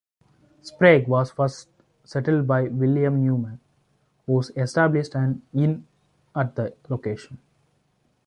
Sprague was first settled by William Newman, who established an inn at the location.